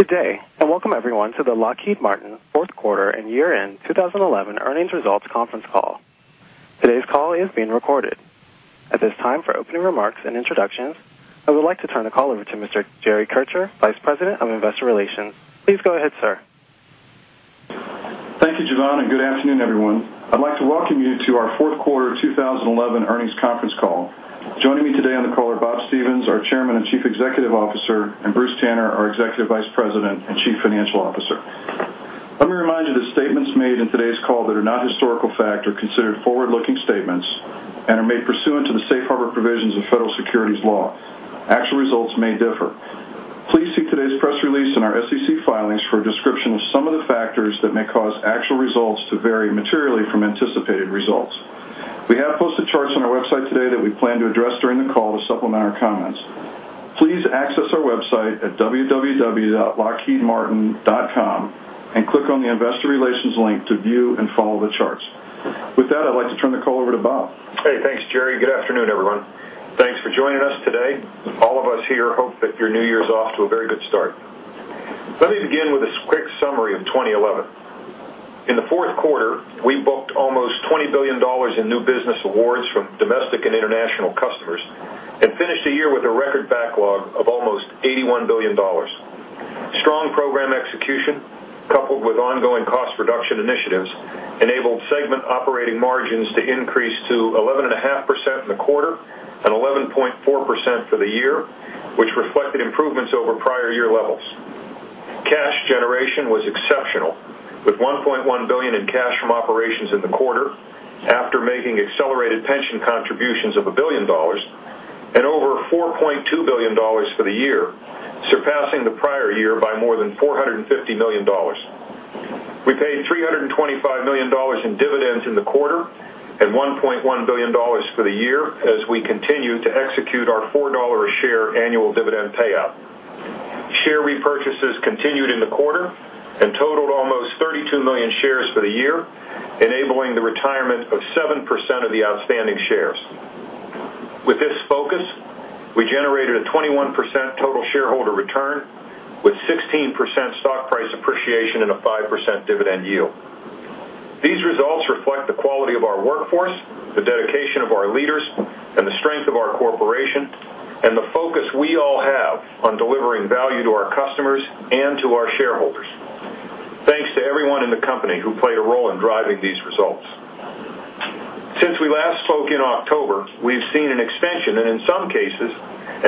Today, I welcome everyone to the Lockheed Martin Fourth Quarter and Year-end 2011 Earnings Results Conference Call. Today's call is being recorded. At this time, for opening remarks and introductions, I would like to turn the call over to Mr. Jerry Kircher, Vice President of Investor Relations. Please go ahead, sir. Thank you, Javon, and good afternoon, everyone. I'd like to welcome you to our Fourth Quarter 2011 Earnings Conference call. Joining me today on the call are Bob Stevens, our Chairman and Chief Executive Officer, and Bruce Tanner, our Executive Vice President and Chief Financial Officer. Let me remind you that statements made in today's call that are not historical fact are considered forward-looking statements and are made pursuant to the safe harbor provisions of Federal Securities Law. Actual results may differ. Please see today's press release and our SEC filings for a description of some of the factors that may cause actual results to vary materially from anticipated results. We have posted charts on our website today that we plan to address during the call to supplement our comments. Please access our website at www.lockheedmartin.com and click on the Investor Relations link to view and follow the charts. With that, I'd like to turn the call over to Bob. Thanks, Jerry. Good afternoon, everyone. Thanks for joining us today. All of us here hope that your New Year's off to a very good start. Let me begin with a quick summary of 2011. In the fourth quarter, we booked almost $20 billion in new business awards from domestic and international customers and finished the year with a record backlog of almost $81 billion. Strong program execution, coupled with ongoing cost reduction initiatives, enabled segment operating margins to increase to 11.5% in the quarter and 11.4% for the year, which reflected improvements over prior year levels. Cash generation was exceptional, with $1.1 billion in cash from operations in the quarter after making accelerated pension contributions of $1 billion and over $4.2 billion for the year, surpassing the prior year by more than $450 million. We paid $325 million in dividends in the quarter and $1.1 billion for the year as we continue to execute our $4 a share annual dividend payout. Share repurchases continued in the quarter and totaled almost 32 million shares for the year, enabling the retirement of 7% of the outstanding shares. With this focus, we generated a 21% total shareholder return, with 16% stock price appreciation and a 5% dividend yield. These results reflect the quality of our workforce, the dedication of our leaders, and the strength of our corporation and the focus we all have on delivering value to our customers and to our shareholders. Thanks to everyone in the company who played a role in driving these results. Since we last spoke in October, we've seen an expansion and, in some cases,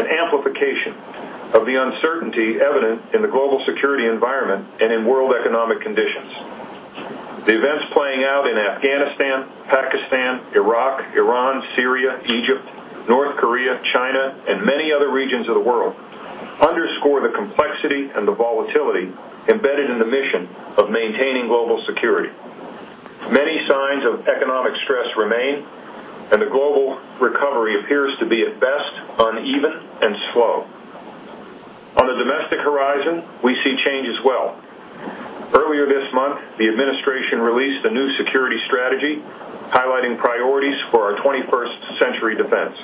an amplification of the uncertainty evident in the global security environment and in world economic conditions. The events playing out in Afghanistan, Pakistan, Iraq, Iran, Syria, Egypt, North Korea, China, and many other regions of the world underscore the complexity and the volatility embedded in the mission of maintaining global security. Many signs of economic stress remain, and the global recovery appears to be, at best, uneven and slow. On the domestic horizon, we see change as well. Earlier this month, the administration released the new security strategy, highlighting priorities for our 21st-century defense.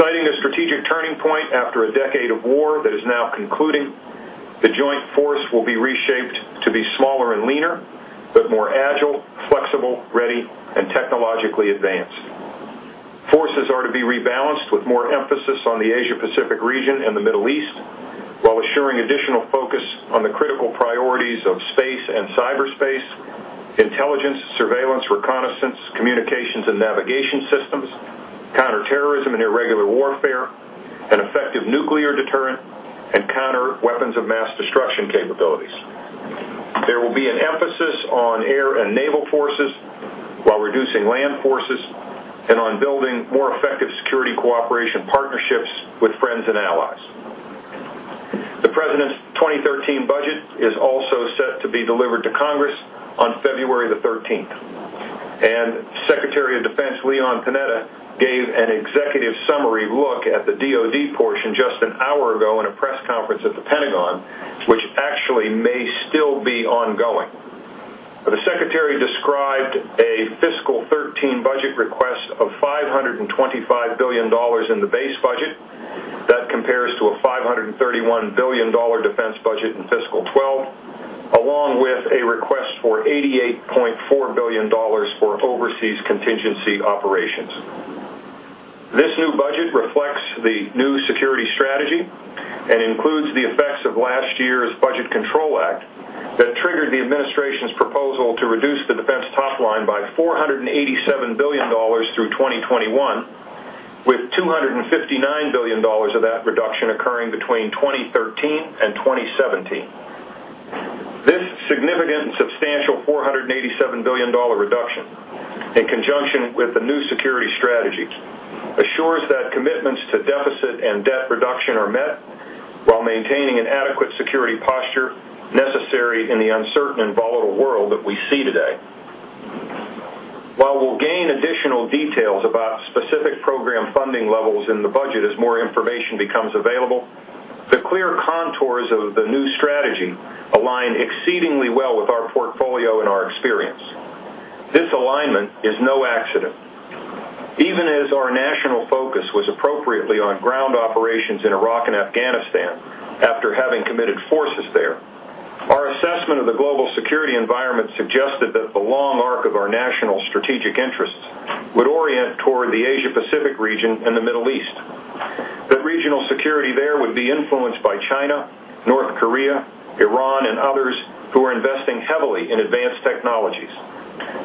Citing a strategic turning point after a decade of war that is now concluding, the joint force will be reshaped to be smaller and leaner, but more agile, flexible, ready, and technologically advanced. Forces are to be rebalanced with more emphasis on the Asia-Pacific region and the Middle East, while assuring additional focus on the critical priorities of space and cyberspace, intelligence, surveillance, reconnaissance, communications, and navigation systems, counterterrorism and irregular warfare, an effective nuclear deterrent, and counter weapons of mass destruction capabilities. There will be an emphasis on air and naval forces, while reducing land forces, and on building more effective security cooperation partnerships with friends and allies. The President's 2013 budget is also set to be delivered to Congress on February 13th. Secretary of Defense Leon Panetta gave an executive summary look at the U.S. Department of Defense portion just an hour ago in a press conference at the Pentagon, which actually may still be ongoing. The Secretary described a fiscal 2013 budget request of $525 billion in the base budget that compares to a $531 billion defense budget in fiscal 2012, along with a request for $88.4 billion for overseas contingency operations. This new budget reflects the new security strategy and includes the effects of last year's Budget Control Act that triggered the administration's proposal to reduce the defense top line by $487 billion through 2021, with $259 billion of that reduction occurring between 2013 and 2017. This significant and substantial $487 billion reduction, in conjunction with the new security strategy, assures that commitments to deficit and debt reduction are met while maintaining an adequate security posture necessary in the uncertain and volatile world that we see today. While we'll gain additional details about specific program funding levels in the budget as more information becomes available, the clear contours of the new strategy align exceedingly well with our portfolio and our experience. This alignment is no accident. Even as our national focus was appropriately on ground operations in Iraq and Afghanistan after having committed forces there, our assessment of the global security environment suggested that the long arc of our national strategic interests would orient toward the Asia-Pacific region and the Middle East, that regional security there would be influenced by China, North Korea, Iran, and others who are investing heavily in advanced technologies,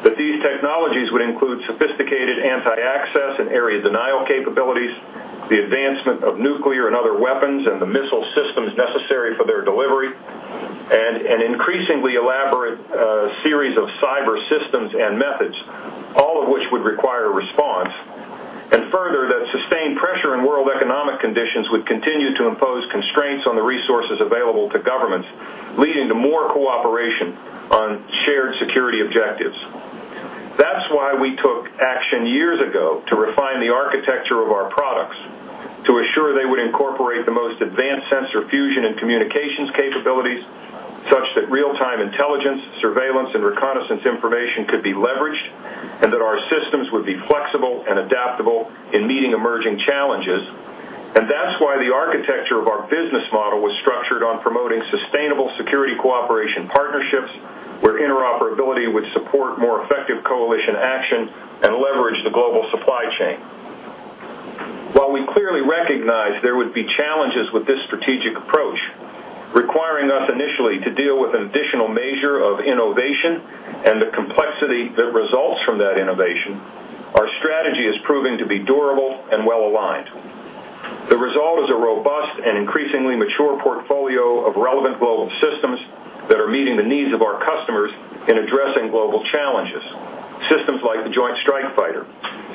that these technologies would include sophisticated anti-access and area denial capabilities, the advancement of nuclear and other weapons and the missile systems necessary for their delivery, and an increasingly elaborate series of cyber systems and methods, all of which would require response, and further that sustained pressure in world economic conditions would continue to impose constraints on the resources available to governments, leading to more cooperation on shared security objectives. That is why we took action years ago to refine the architecture of our products to assure they would incorporate the most advanced sensor fusion and communications capabilities, such that real-time intelligence, surveillance, and reconnaissance information could be leveraged and that our systems would be flexible and adaptable in meeting emerging challenges. That is why the architecture of our business model was structured on promoting sustainable security cooperation partnerships, where interoperability would support more effective coalition action and leverage the global supply chain. While we clearly recognize there would be challenges with this strategic approach, requiring us initially to deal with an additional measure of innovation and the complexity that results from that innovation, our strategy is proving to be durable and well-aligned. The result is a robust and increasingly mature portfolio of relevant global systems that are meeting the needs of our customers in addressing global challenges, systems like the F-35 Joint Strike Fighter,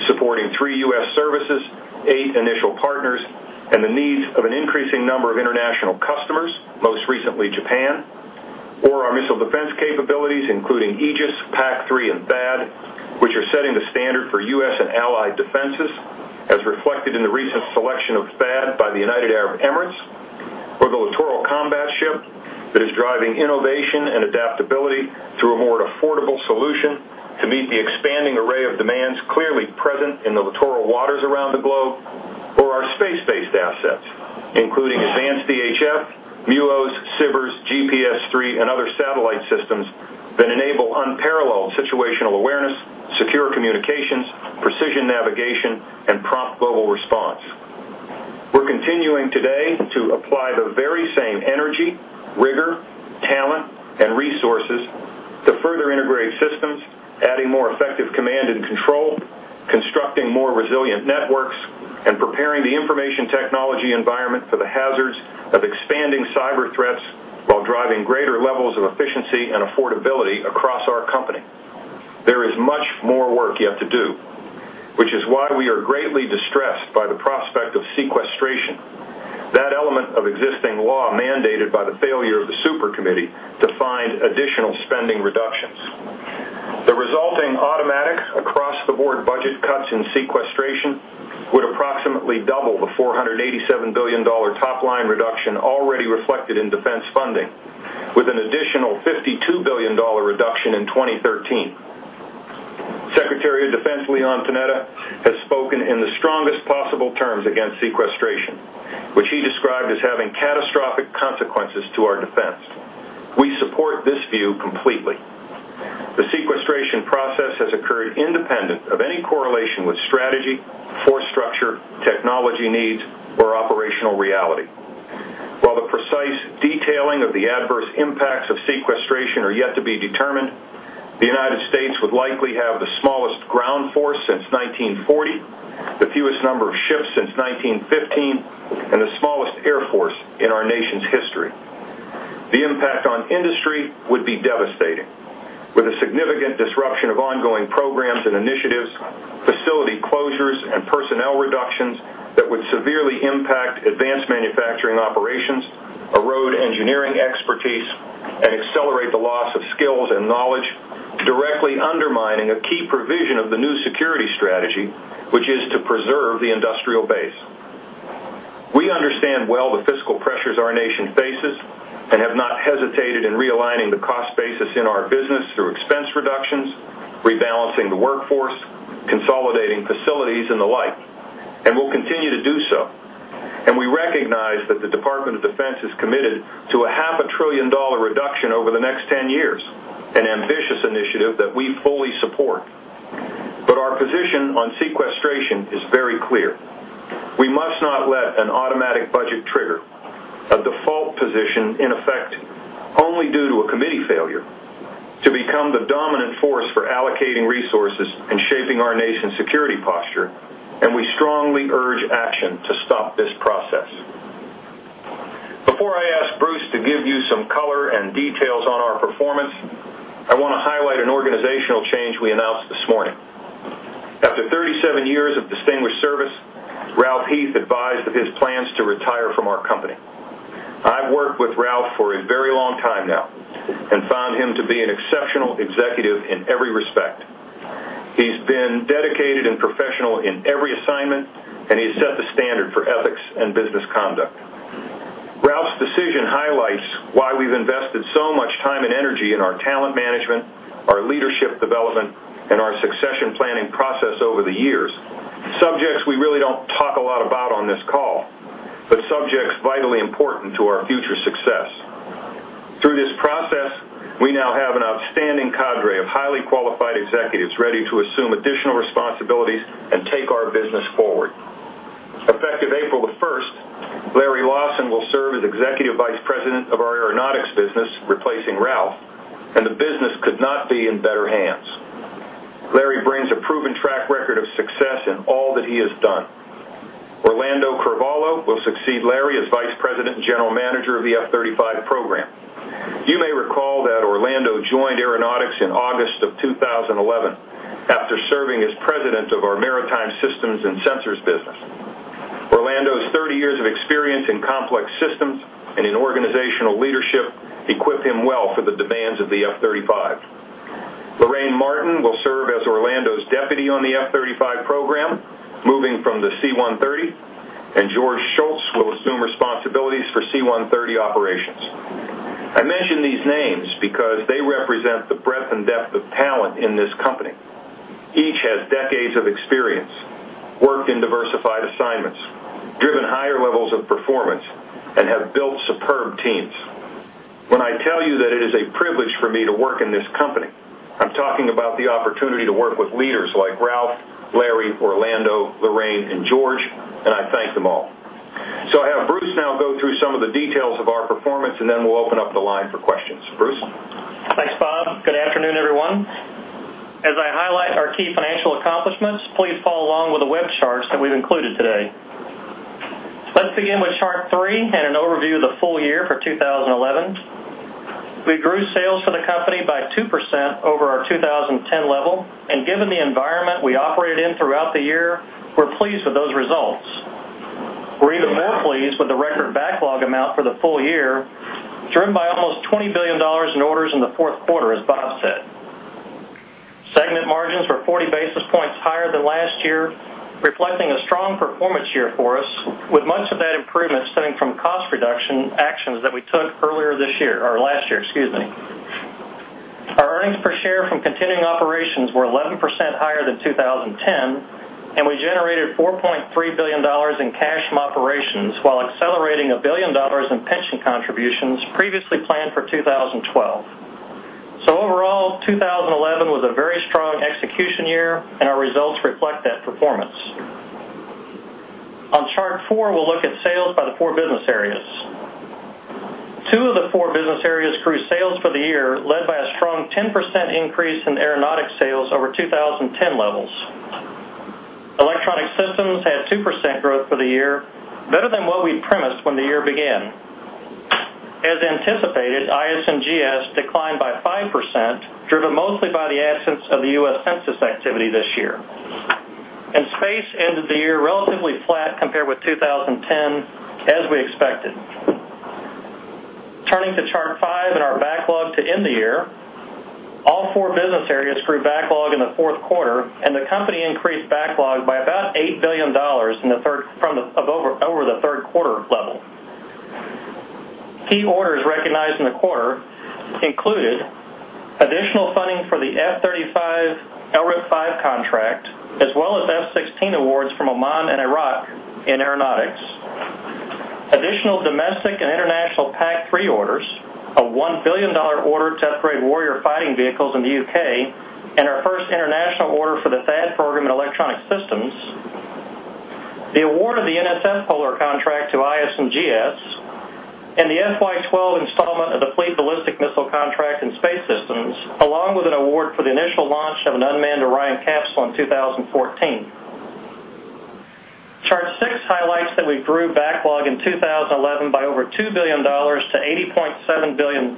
supporting three U.S. services, eight initial partners, and the needs of an increasing number of international customers, most recently Japan, or our missile defense capabilities, including Aegis, PAC-3, and Terminal High Altitude Area Defense, which are setting the standard for U.S. and allied defenses, as reflected in the recent selection of Terminal High Altitude Area Defense by the United Arab Emirates, or the littoral combat ship that is driving innovation and adaptability through a more affordable solution to meet the expanding array of demands clearly present in the littoral waters around the globe, or our space-based assets, including advanced DHF, MUOS, SBIRs, GPS-III, and other satellite systems that enable unparalleled situational awareness, secure communications, precision navigation, and prompt global response. We're continuing today to apply the very same energy, rigor, talent, and resources to further integrate systems, adding more effective command and control, constructing more resilient networks, and preparing the information technology environment for the hazards of expanding cyber threats while driving greater levels of efficiency and affordability across our company. There is much more work yet to do, which is why we are greatly distressed by the prospect of sequestration. That element of existing law mandated by the failure of the Supercommittee to find additional spending reductions. The resulting automatic across-the-board budget cuts in sequestration would approximately double the $487 billion top line reduction already reflected in defense funding, with an additional $52 billion reduction in 2013. Secretary of Defense Leon Panetta has spoken in the strongest possible terms against sequestration, which he described as having catastrophic consequences to our defense. We support this view completely. The sequestration process has occurred independent of any correlation with strategy, force structure, technology needs, or operational reality. While the precise detailing of the adverse impacts of sequestration are yet to be determined, the United States would likely have the smallest ground force since 1940, the fewest number of ships since 1915, and the smallest air force in our nation's history. The impact on industry would be devastating, with a significant disruption of ongoing programs and initiatives, facility closures, and personnel reductions that would severely impact advanced manufacturing operations, erode engineering expertise, and accelerate the loss of skills and knowledge, directly undermining a key provision of the new security strategy, which is to preserve the industrial base. We understand well the physical pressures our nation faces and have not hesitated in realigning the cost basis in our business through expense reductions, rebalancing the workforce, consolidating facilities, and the like, and will continue to do so. We recognize that the U.S. Department of Defense is committed to a $0.5 trillion reduction over the next 10 years, an ambitious initiative that we fully support. Our position on sequestration is very clear. We must not let an automatic budget trigger, a default position in effect only due to a committee failure, become the dominant force for allocating resources and shaping our nation's security posture. We strongly urge action to stop this process. Before I ask Bruce to give you some color and details on our performance, I want to highlight an organizational change we announced this morning. After 37 years of distinguished service, Ralph Heath advised of his plans to retire from our company. I've worked with Ralph for a very long time now and found him to be an exceptional executive in every respect. He's been dedicated and professional in every assignment, and he's set the standard for ethics and business conduct. Ralph's decision highlights why we've invested so much time and energy in our talent management, our leadership development, and our succession planning process over the years, subjects we really don't talk a lot about on this call, but subjects vitally important to our future success. Through this process, we now have an outstanding cadre of highly qualified executives ready to assume additional responsibilities and take our business forward. Effective April 1st, Larry Lawson will serve as Executive Vice President of our Aeronautics business, replacing Ralph, and the business could not be in better hands. Larry brings a proven track record of success in all that he has done. Orlando Carvalho will succeed Larry as Vice President and General Manager of the F-35 program. You may recall that Orlando joined Aeronautics in August of 2011 after serving as President of our Maritime Systems and Sensors business. Orlando's 30 years of experience in complex systems and in organizational leadership equipped him well for the demands of the F-35. Lorraine Martin will serve as Orlando's Deputy on the F-35 program, moving from the C-130, and George Schultz will assume responsibilities for C-130 operations. I mention these names because they represent the breadth and depth of talent in this company. Each has decades of experience, worked in diversified assignments, driven higher levels of performance, and have built superb teams. When I tell you that it is a privilege for me to work in this company, I'm talking about the opportunity to work with leaders like Ralph, Larry, Orlando, Lorraine, and George, and I thank them all. I have Bruce now go through some of the details of our performance, and then we'll open up the line for questions. Bruce? Thanks, Bob. Good afternoon, everyone. As I highlight our key financial accomplishments, please follow along with the web charts that we've included today. Let's begin with chart three and an overview of the full year for 2011. We grew sales for the company by 2% over our 2010 level, and given the environment we operated in throughout the year, we're pleased with those results. We're even more pleased with the record backlog amount for the full year, driven by almost $20 billion in orders in the fourth quarter, as Bob said. Segment margins were 40 basis points higher than last year, reflecting a strong performance year for us, with much of that improvement stemming from cost reduction actions that we took earlier this year or last year, excuse me. Our earnings per share from continuing operations were 11% higher than 2010, and we generated $4.3 billion in cash from operations, while accelerating $1 billion in pension contributions previously planned for 2012. Overall, 2011 was a very strong execution year, and our results reflect that performance. On chart four, we'll look at sales by the four business areas. Two of the four business areas grew sales for the year, led by a strong 10% increase in aeronautics sales over 2010 levels. Electronic Systems had 2% growth for the year, better than what we'd premised when the year began. As anticipated, IS&GS declined by 5%, driven mostly by the absence of the U.S. census activity this year. Space ended the year relatively flat compared with 2010, as we expected. Turning to chart five and our backlog to end the year, all four business areas grew backlog in the fourth quarter, and the company increased backlog by about $8 billion over the third quarter level. Key orders recognized in the quarter included additional funding for the F-35 LRIP 5 contract, as well as F-16 awards from Oman and Iraq in Aeronautics, additional domestic and international PAC-3 orders, a $1 billion order to upgrade Warrior fighting vehicles in the UK, and our first international order for the Terminal High Altitude Area Defense program in Electronic Systems, the award of the NSF polar contract to IS&GS, and the FY12 installment of the Fleet Ballistic Missile contract in Space Systems, along with an award for the initial launch of an unmanned Orion capsule in 2014. Chart six highlights that we grew backlog in 2011 by over $2 billion-$80.7 billion,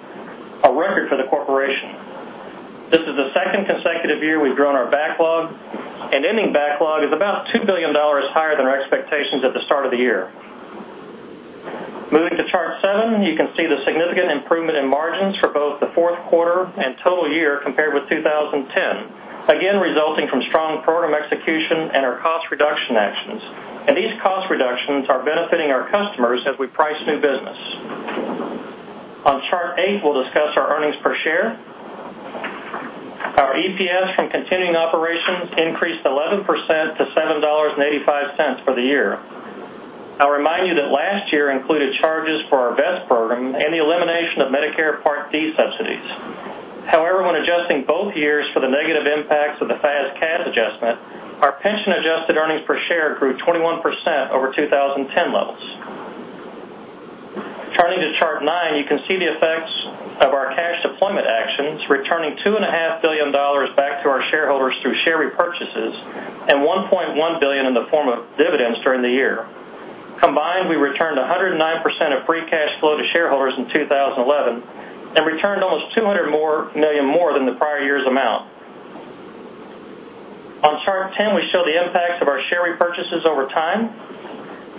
a record for the corporation. This is the second consecutive year we've grown our backlog, and ending backlog is about $2 billion higher than our expectations at the start of the year. Moving to chart seven, you can see the significant improvement in margins for both the fourth quarter and total year compared with 2010, again resulting from strong program execution and our cost reduction actions. These cost reductions are benefiting our customers as we price new business. On chart eight, we'll discuss our earnings per share. Our EPS from continuing operations increased 11% to $7.85 for the year. I'll remind you that last year included charges for our VEST program and the elimination of Medicare Part D subsidies. However, when adjusting both years for the negative impacts of the THAAD adjustment, our pension-adjusted earnings per share grew 21% over 2010 levels. Turning to chart nine, you can see the effects of our cash deployment actions, returning $2.5 billion back to our shareholders through share repurchases and $1.1 billion in the form of dividends during the year. Combined, we returned 109% of free cash flow to shareholders in 2011 and returned almost $200 million more than the prior year's amount. On chart ten, we show the impacts of our share repurchases over time.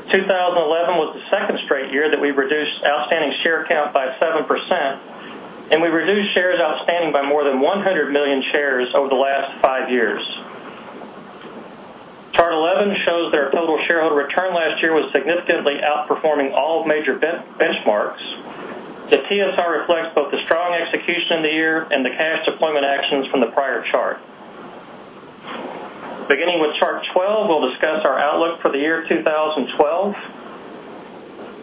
2011 was the second straight year that we've reduced outstanding share count by 7%, and we reduced shares outstanding by more than 100 million shares over the last five years. Chart 11 shows that our total shareholder return last year was significantly outperforming all major benchmarks. The TSR reflects both the strong execution in the year and the cash deployment actions from the prior chart. Beginning with chart 12, we'll discuss our outlook for the year 2012.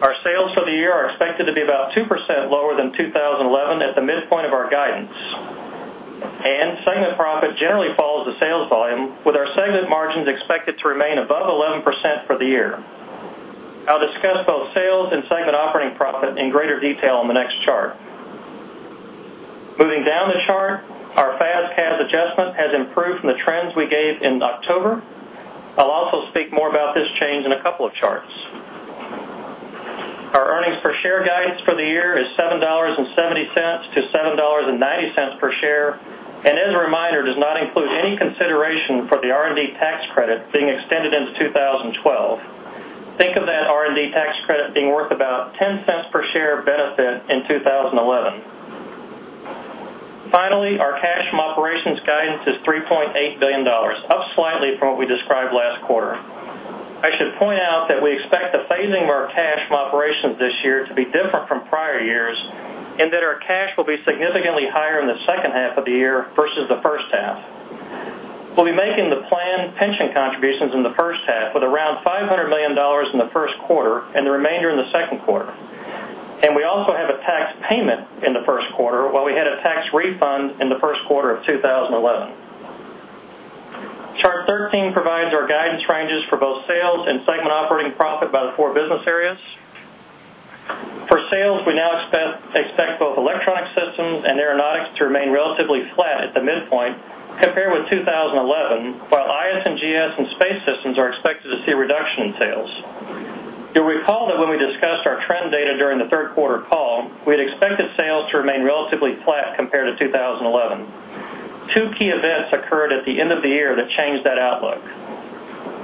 Our sales for the year are expected to be about 2% lower than 2011 at the midpoint of our guidance, and segment profit generally follows the sales volume, with our segment margins expected to remain above 11% for the year. I'll discuss both sales and segment operating profit in greater detail on the next chart. Moving down the chart, our THAAD CAD adjustment has improved from the trends we gave in October. I'll also speak more about this change in a couple of charts. Our earnings per share guidance for the year is $7.70-$7.90 per share, and as a reminder, it does not include any consideration for the R&D tax credit being extended since 2012. Think of that R&D tax credit being worth about $0.10 per share benefit in 2011. Finally, our cash from operations guidance is $3.8 billion, up slightly from what we described last quarter. I should point out that we expect the phasing of our cash from operations this year to be different from prior years, and that our cash will be significantly higher in the second half of the year versus the first half. We'll be making the planned pension contributions in the first half with around $500 million in the first quarter and the remainder in the second quarter. We also have a tax payment in the first quarter, while we had a tax refund in the first quarter of 2011. Chart 13 provides our guidance ranges for both sales and segment operating profit by the four business areas. For sales, we now expect both Electronic Systems and Aeronautics to remain relatively flat at the midpoint compared with 2011, while IS&GS and Space Systems are expected to see a reduction in sales. You'll recall that when we discussed our trend data during the third quarter call, we had expected sales to remain relatively flat compared to 2011. Two key events occurred at the end of the year that changed that outlook.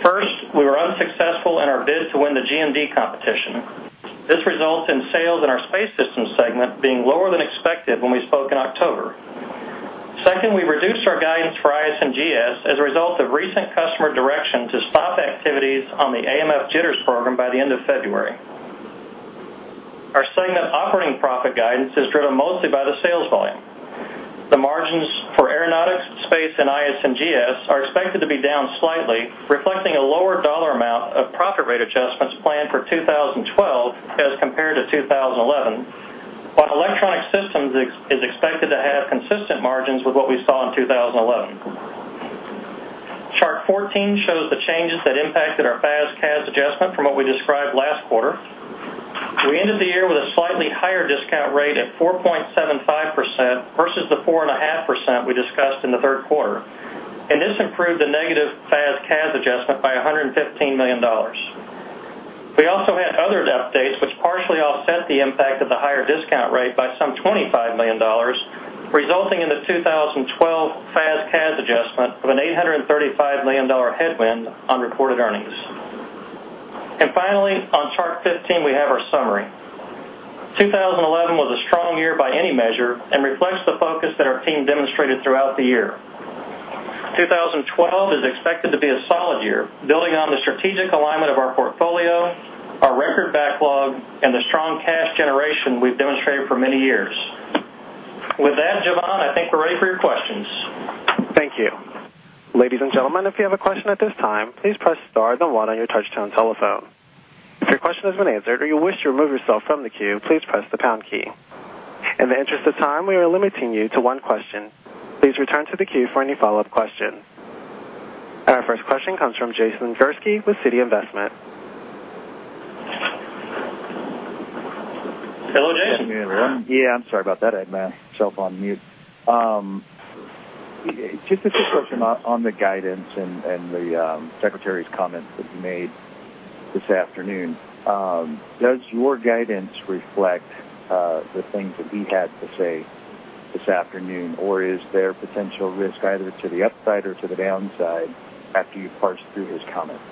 First, we were unsuccessful in our bid to win the G&D competition. This results in sales in our Space Systems segment being lower than expected when we spoke in October. Second, we reduced our guidance for IS&GS as a result of recent customer direction to stop activities on the AMF Jitters program by the end of February. Our segment operating profit guidance is driven mostly by the sales volume. The margins for Aeronautics, Space, and IS&GS are expected to be down slightly, reflecting a lower dollar amount of profit rate adjustments planned for 2012 as compared to 2011, while Electronic Systems is expected to have consistent margins with what we saw in 2011. Chart 14 shows the changes that impacted our FAS/CAS adjustment from what we described last quarter. We ended the year with a slightly higher discount rate at 4.75% versus the 4.5% we discussed in the third quarter, and this improved the negative FAS/CAS adjustment by $115 million. We also had other updates, which partially offset the impact of the higher discount rate by some $25 million, resulting in the 2012 FAS/CAS adjustment of an $835 million headwind on reported earnings. Finally, on chart 15, we have our summary. 2011 was a strong year by any measure and reflects the focus that our team demonstrated throughout the year. 2012 is expected to be a solid year, building on the strategic alignment of our portfolio, our record backlog, and the strong cash generation we've demonstrated for many years. With that, Javon, I think we're ready for your questions. Thank you. Ladies and gentlemen, if you have a question at this time, please press star then one on your touch-tone telephone. If your question has been answered or you wish to remove yourself from the queue, please press the pound key. In the interest of time, we are limiting you to one question. Please return to the queue for any follow-up question. Our first question comes from Jason Gursky with Citi Investment. Hello, Jason. Hey, everyone. I'm sorry about that. I had myself on mute. Just to say something on the guidance and the Secretary's comments that he made this afternoon. Does your guidance reflect the things that he had to say this afternoon, or is there potential risk either to the upside or to the downside after you parsed through his comments?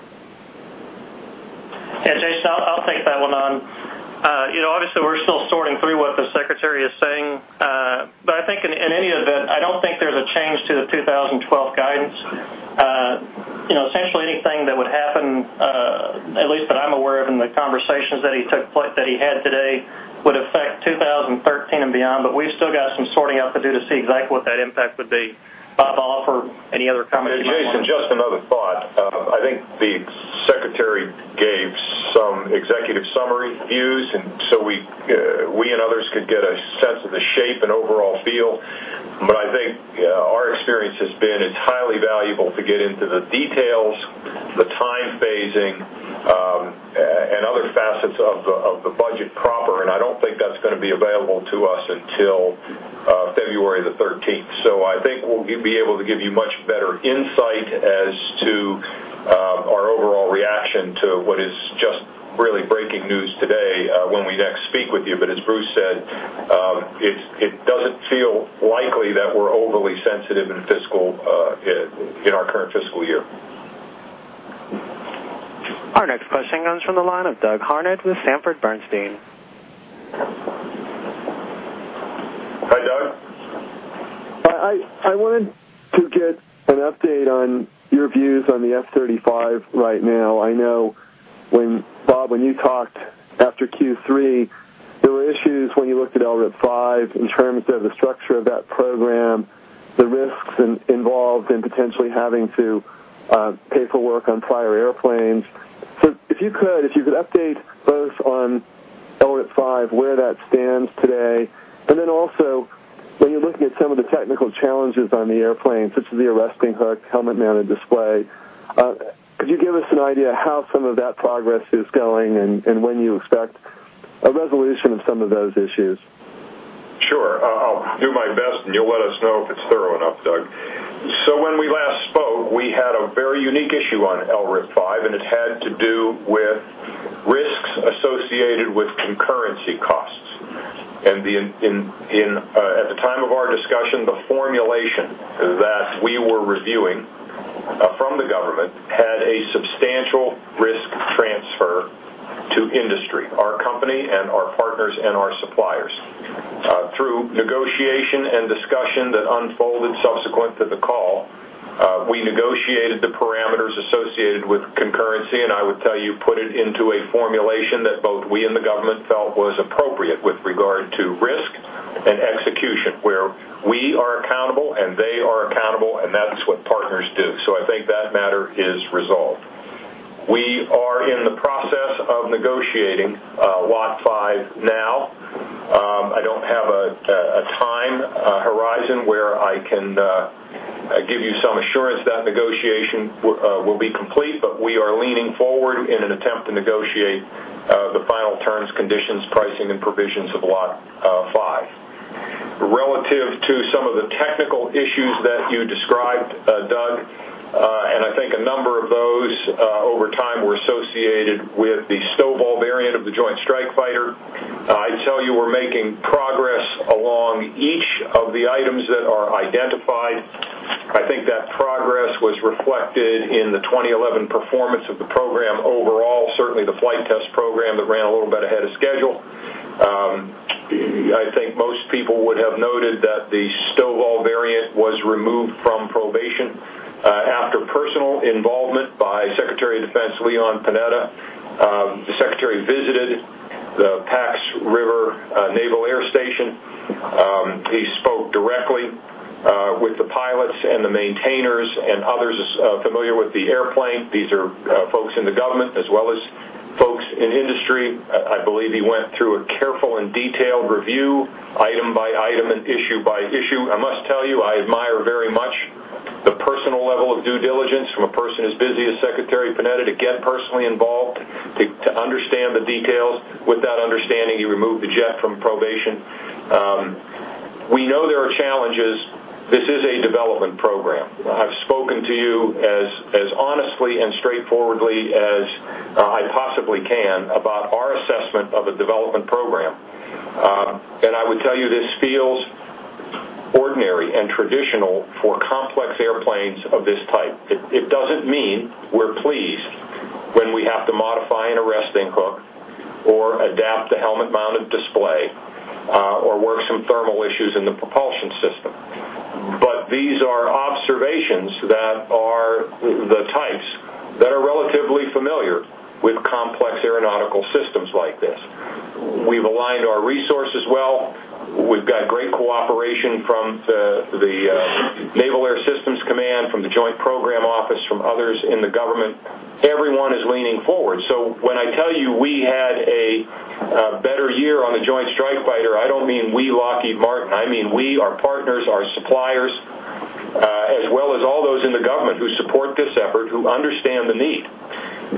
Yeah, Jason, I'll take that one on. Obviously, we're still sorting through what the Secretary is saying, but I think in any event, I don't think there's a change to the 2012 guidance. Essentially, anything that would happen, at least that I'm aware of in the conversations that he had today, would affect 2013 and beyond. We've still got some sorting out to do to see exactly what that impact would be. Bob, I'll offer any other comment. If you need to inject another thought, I think the Secretary gave some executive summary views, and so we and others could get a sense of the shape and overall feel. I think our experience has been it's highly valuable to get into the details, the time phasing, and other facets of the budget proper, and I don't think that's going to be available to us until February 13. I think we'll be able to give you much better insight as to our overall reaction to what is just really breaking news today when we next speak with you. As Bruce said, it doesn't feel likely that we're overly sensitive in our current fiscal year. Our next question comes from the line of Douglas Harned with Bernstein. Hi, I wanted to get an update on your views on the F-35 right now. I know, Bob, when you talked after Q3, there were issues when you looked at LRIP-5 in terms of the structure of that program, the risks involved in potentially having to pay for work on prior airplanes. If you could update both on LRIP-5, where that stands today, and also when you're looking at some of the technical challenges on the airplane, such as the arresting hook, helmet-mounted display, could you give us an idea of how some of that progress is going and when you expect a resolution of some of those issues? Sure. I'll do my best, and you'll let us know if it's thorough enough, Doug. When we last spoke, we had a very unique issue on LRIP-5, and it had to do with risks associated with concurrency costs. At the time of our discussion, the formulation that we were reviewing from the government had a substantial risk transfer to industry, our company and our partners and our suppliers. Through negotiation and discussion that unfolded subsequent to the call, we negotiated the parameters associated with concurrency, and I would tell you, put it into a formulation that both we and the government felt was appropriate with regard to risk and execution, where we are accountable and they are accountable, and that's what partners do. I think that matter is resolved. We are in the process of negotiating Lot 5 now. I don't have a time horizon where I can give you some assurance that negotiation will be complete, but we are leaning forward in an attempt to negotiate the final terms, conditions, pricing, and provisions of Lot 5. Relative to some of the technical issues that you described, Doug, and I think a number of those over time were associated with the STOVL variant of the F-35 Joint Strike Fighter, I'd tell you we're making progress along each of the items that are identified. I think that progress was reflected in the 2011 performance of the program overall, certainly the flight test program that ran a little bit ahead of schedule. I think most people would have noted that the STOVL variant was removed from probation after personal involvement by Secretary of Defense Leon Panetta. The Secretary visited the PAX River Naval Air Station. He spoke directly with the pilots and the maintainers and others familiar with the airplane. These are folks in the government as well as folks in industry. I believe he went through a careful and detailed review, item by item and issue by issue. I must tell you, I admire very much the personal level of due diligence from a person as busy as Secretary Panetta, to get personally involved, to understand the details. With that understanding, he removed the jet from probation. We know there are challenges. This is a development program. I've spoken to you as honestly and straightforwardly as I possibly can about our assessment of a development program. I would tell you, this feels ordinary and traditional for complex airplanes of this type. It doesn't mean we're pleased when we have to modify an arresting hook or adapt the helmet-mounted display or work some thermal issues in the propulsion system. These are observations that are the types that are relatively familiar with complex aeronautical systems like this. We've aligned our resources well. We've got great cooperation from the Naval Air Systems Command, from the Joint Program Office, from others in the government. Everyone is leaning forward. When I tell you we had a better year on the Joint Strike Fighter, I don't mean we, Lockheed Martin. I mean we, our partners, our suppliers, as well as all those in the government who support this effort, who understand the need.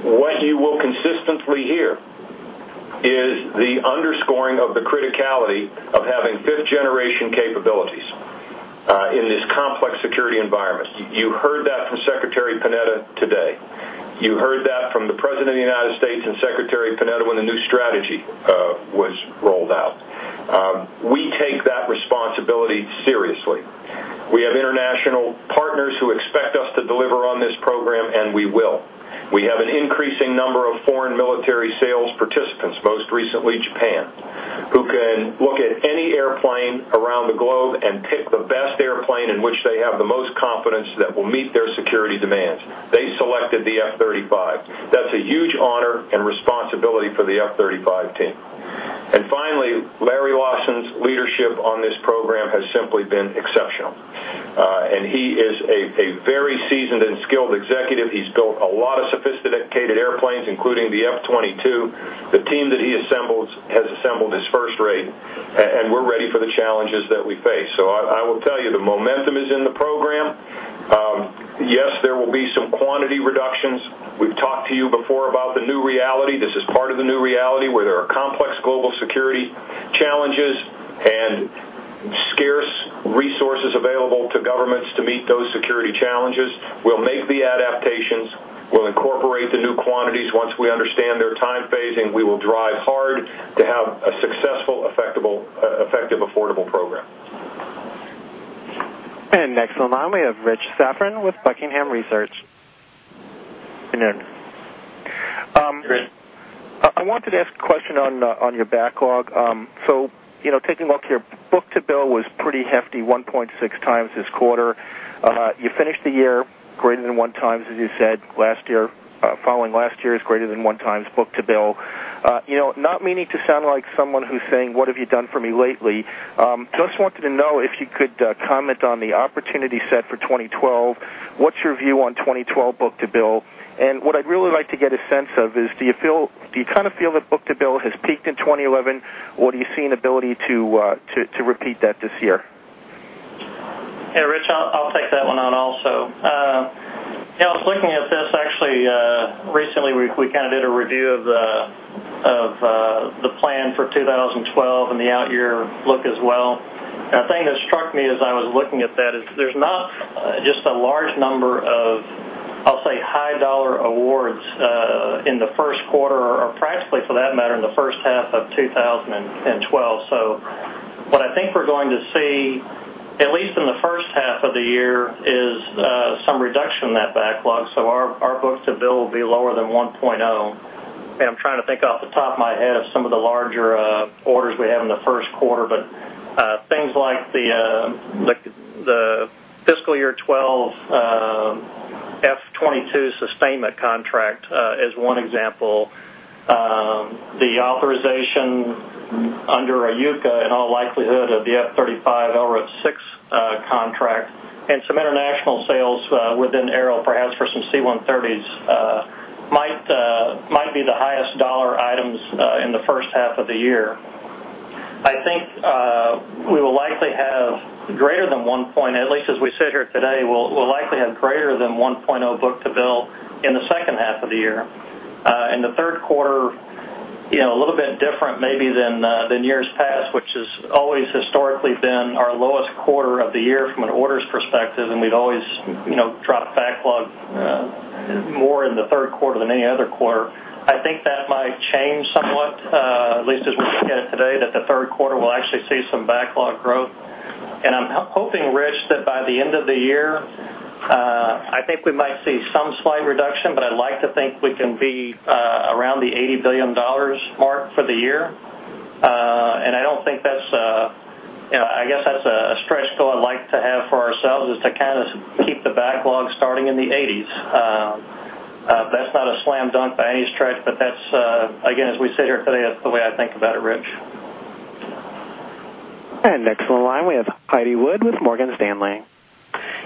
What you will consistently hear is the underscoring of the criticality of having fifth-generation capabilities in this complex security environment. You heard that from Secretary Panetta today. You heard that from the President of the United States and Secretary Panetta when the new strategy was rolled out. We take that responsibility seriously. We have international partners who expect us to deliver on this program, and we will. We have an increasing number of foreign military sales participants, most recently Japan, who can look at any airplane around the globe and pick the best airplane in which they have the most confidence that will meet their security demands. They selected the F-35. That's a huge honor and responsibility for the F-35 team. Larry Lawson's leadership on this program has simply been exceptional. He is a very seasoned and skilled executive. He's built a lot of sophisticated airplanes, including the F-22. The team that he assembles has assembled is first rate, and we're ready for the challenges that we face. I will tell you, the momentum is in the program. Yes, there will be some quantity reductions. We've talked to you before about the new reality. This is part of the new reality where there are complex global security challenges and scarce resources available to governments to meet those security challenges. We'll make the adaptations. We'll incorporate the new quantities once we understand their time phasing. We will drive hard to have a successful, effective, affordable program. Next online, we have Rich Safran with Buckingham Research. I wanted to ask a question on your backlog. Taking a look here, book to bill was pretty hefty, 1.6 times this quarter. You finished the year greater than one times, as you said, last year. Following last year is greater than one times book to bill. Not meaning to sound like someone who's saying, "What have you done for me lately?" Just wanted to know if you could comment on the opportunity set for 2012. What's your view on 2012 book to bill? What I'd really like to get a sense of is, do you feel, do you kind of feel that book to bill has peaked in 2011, or do you see an ability to repeat that this year? Hey. Rich, I'll take that one on also. I was looking at this. Actually, recently, we kind of did a review of the plan for 2012 and the out-year look as well. The thing that struck me as I was looking at that is there's not just a large number of, I'll say, high-dollar awards in the first quarter or practically, for that matter, in the first half of 2012. What I think we're going to see, at least in the first half of the year, is some reduction in that backlog. Our book to bill will be lower than 1.0. I'm trying to think off the top of my head of some of the larger orders we have in the first quarter, but things like the fiscal year 2012 F-22 sustainment contract is one example. The authorization under UCA, in all likelihood, of the F-35 LRIP-6 contract and some international sales within aerial, perhaps for some C-130s, might be the highest-dollar items in the first half of the year. I think we will likely have greater than 1.0, at least as we sit here today, we'll likely have greater than 1.0 book to bill in the second half of the year. In the third quarter, a little bit different maybe than years past, which has always historically been our lowest quarter of the year from an orders perspective, and we'd always try to backlog more in the third quarter than any other quarter. I think that might change somewhat, at least as we look at it today, that the third quarter will actually see some backlog growth. I'm hoping, Rich, that by the end of the year, I think we might see some slight reduction, but I'd like to think we can be around the $80 billion mark for the year. I don't think that's, I guess that's a stretch goal I'd like to have for ourselves is to kind of keep the backlog starting in the $80 billion range. That's not a slam dunk by any stretch, but that's, again, as we sit here today, that's the way I think about it, Rich. Next on line, we have Heidi Wood with Morgan Stanley.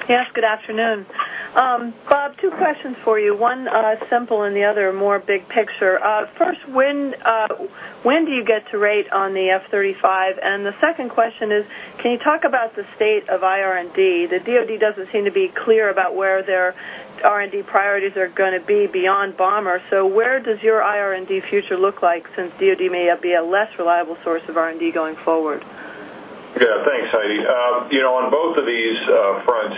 Yes, good afternoon. Bob, two questions for you, one simple and the other more big picture. First, when do you get to rate on the F-35? The second question is, can you talk about the state of IR&D? The DOD doesn't seem to be clear about where their R&D priorities are going to be beyond bomber. Where does your IR&D future look like since DOD may be a less reliable source of R&D going forward? Yeah, thanks, Heidi. You know, on both of these fronts,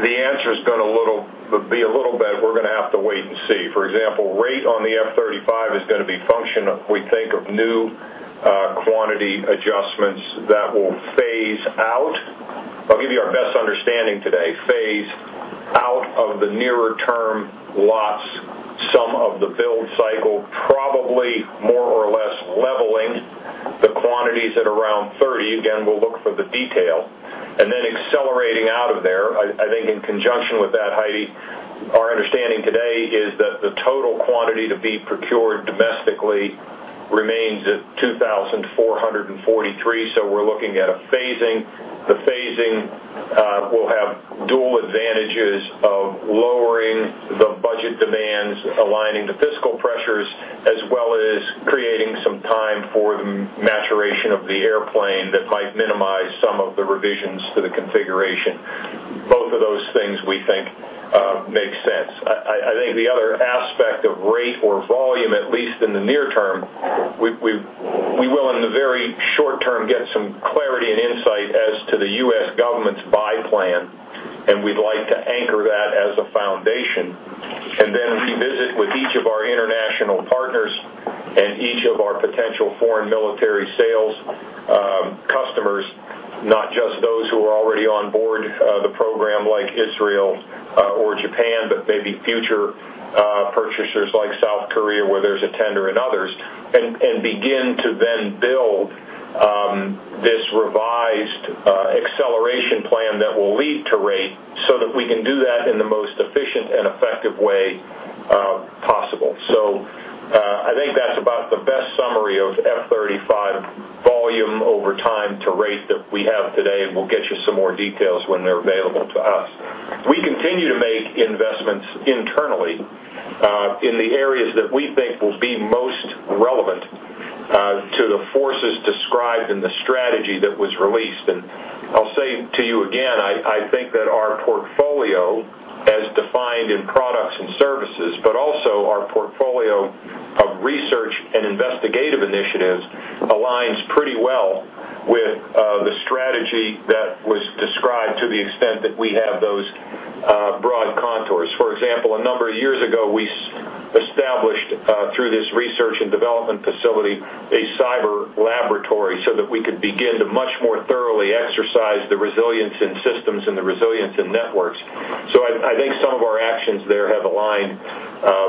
the answer is going to be a little bit, we're going to have to wait and see. For example, rate on the F-35 is going to be a function of, we think, of new quantity adjustments that will phase out, I'll give you our best understanding today, phase out of the nearer term loss, some of the build cycle, probably more or less leveling the quantities at around 30. Again, we'll look for the detail. In conjunction with that, Heidi, our understanding today is that the total quantity to be procured domestically remains at 2,443. We're looking at a phasing. The phasing will have dual advantages of lowering the budget demands, aligning the fiscal pressures, as well as creating some time for the maturation of the airplane that might minimize some of the revisions to the configuration. Both of those things, we think, make sense. The other aspect of rate or volume, at least in the near term, we will, in the very short term, get some clarity and insight as to the U.S. government's buy plan, and we'd like to anchor that as the foundation. Then revisit with each of our international partners and each of our potential foreign military sales customers, not just those who are already on board the program like Israel or Japan, but maybe future purchasers like South Korea, where there's a tender and others, and begin to then build this revised acceleration plan that will lead to rate so that we can do that in the most efficient and effective way possible. I think that's about the best summary of F-35 volume over time to rate that we have today, and we'll get you some more details when they're available to us. We continue to make investments internally in the areas that we think will be most relevant to the forces described in the strategy that was released. I'll say to you again, I think that our portfolio, as defined in products and services, but also our portfolio of research and investigative initiatives, aligns pretty well with the strategy that was described to the extent that we have those broad contours. For example, a number of years ago, we established through this research and development facility a cyber laboratory so that we could begin to much more thoroughly exercise the resilience in systems and the resilience in networks. I think some of our actions there have aligned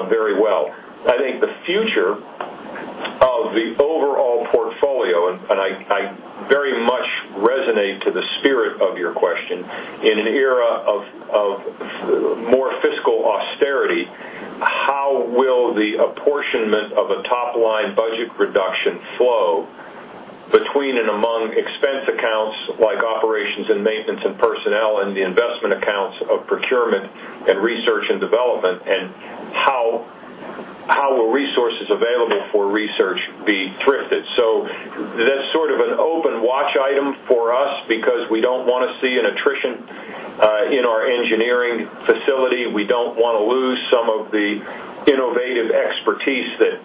very well. I think the future of the overall portfolio, and I very much resonate to the spirit of your question, in an era of more fiscal austerity, how will the apportionment of a top line budget reduction flow between and among expense accounts like operations and maintenance and personnel and the investment accounts of procurement and research and development, and how will resources available for research be thrifted? That is sort of an open watch item for us because we don't want to see an attrition in our engineering facility. We don't want to lose some of the innovative expertise that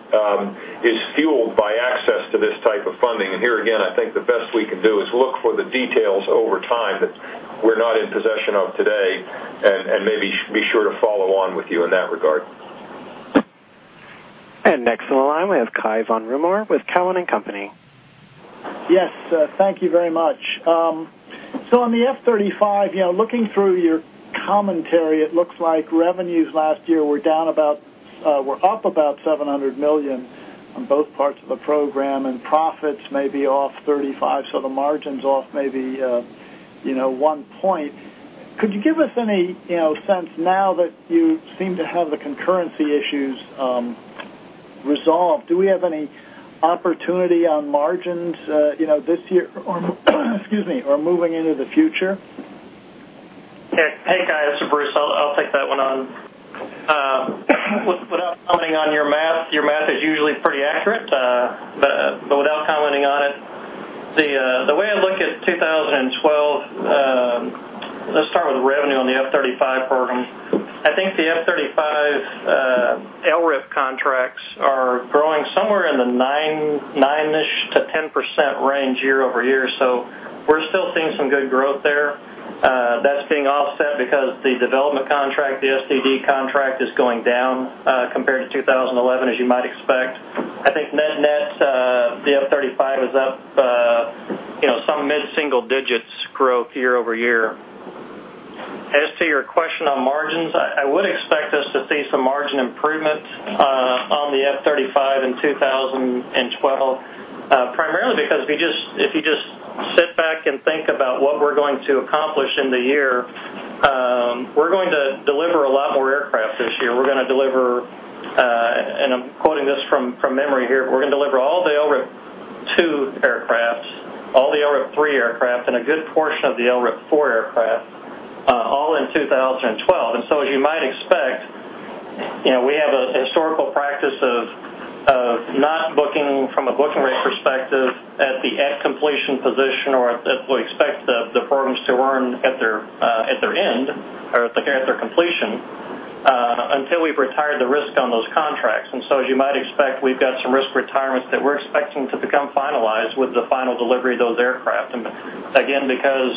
is fueled by access to this type of funding. I think the best we can do is look for the details over time that we're not in possession of today and maybe be sure to follow on with you in that regard. Next on the line, we have Cai von Rumohr with TD Cowen. Yes, thank you very much. On the F-35, looking through your commentary, it looks like revenues last year were up about $700 million on both parts of the program, and profits may be off $35, so the margins off may be, you know, one point. Could you give us any sense now that you seem to have the concurrency issues resolved? Do we have any opportunity on margins this year, or, excuse me, or moving into the future? Hey, guys, to Bruce, I'll take that one on. Without commenting on your math, your math is usually pretty accurate, but without commenting on it, the way I look at 2012, let's start with revenue on the F-35 program. I think the F-35 LRIP contracts are growing somewhere in the 9%-10% range year-over-year. We're still seeing some good growth there. That's being offset because the development contract, the SDD contract, is going down compared to 2011, as you might expect. I think net-net, the F-35 is up, you know, some mid-single-digits growth year-over-year. As to your question on margins, I would expect us to see some margin improvement on the F-35 in 2012, primarily because if you just sit back and think about what we're going to accomplish in the year, we're going to deliver a lot more aircraft this year. We're going to deliver, and I'm quoting this from memory here, we're going to deliver all the LRIP-2 aircraft, all the LRIP-3 aircraft, and a good portion of the LRIP-4 aircraft, all in 2012. As you might expect, we have a historical practice of not booking from a booking rate perspective at the at-completion position or as we expect the programs to run at their end or at their completion until we've retired the risk on those contracts. As you might expect, we've got some risk retirements that we're expecting to become finalized with the final delivery of those aircraft. Again, because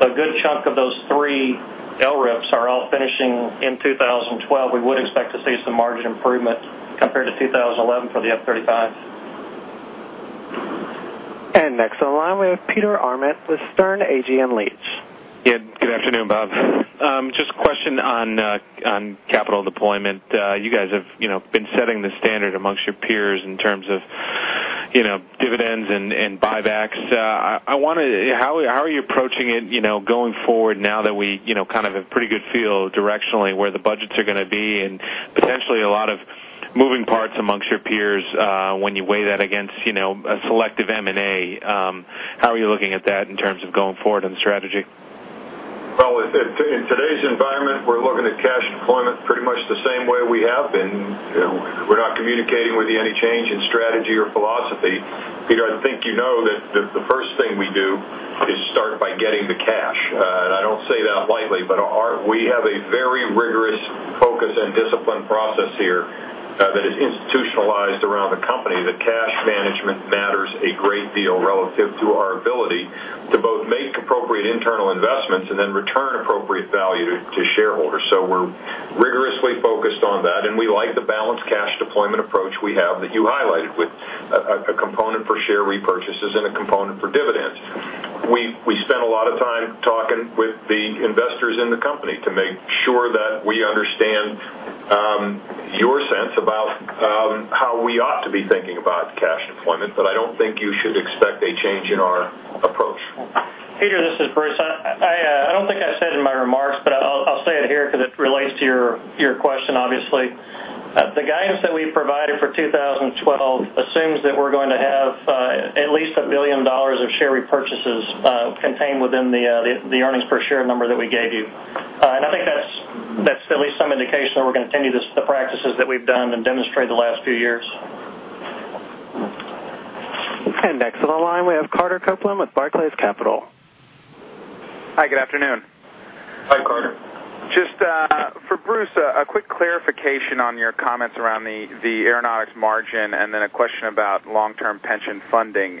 a good chunk of those three LRIPs are all finishing in 2012, we would expect to see some margin improvement compared to 2011 for the F-35. Next on the line, we have Peter Arment with Sternee Agee & Leach. Good afternoon, Bob. Just a question on capital deployment. You guys have been setting the standard amongst your peers in terms of dividends and buybacks. How are you approaching it going forward now that we kind of have a pretty good feel directionally where the budgets are going to be and potentially a lot of moving parts amongst your peers when you weigh that against a selective M&A? How are you looking at that in terms of going forward in the strategy? In today's environment, we're looking at cash deployment pretty much the same way we have been. We're not communicating with you any change in strategy or philosophy. Peter, I think you know that the first thing we do is start by getting the cash. I don't say that lightly, but we have a very rigorous focus and disciplined process here that is institutionalized around the company. Cash management matters a great deal relative to our ability to both make appropriate internal investments and then return appropriate value to shareholders. We're rigorously focused on that, and we like the balanced cash deployment approach we have that you highlighted with a component for share repurchases and a component for dividends. We spent a lot of time talking with the investors in the company to make sure that we understand your sense about how we ought to be thinking about cash deployment, but I don't think you should expect a change in our approach. Peter, this is Bruce. I don't think I said in my remarks, but I'll say it here because it relates to your question, obviously. The guidance that we provided for 2012 assumes that we're going to have at least $1 billion of share repurchases contained within the earnings per share number that we gave you. I think that's at least some indication that we're going to continue the practices that we've done and demonstrated the last few years. Next on the line, we have Carter Copeland with Barclays Capital. Hi, good afternoon. Hi, Carter. Just for Bruce, a quick clarification on your comments around the aeronautics margin and then a question about long-term pension funding.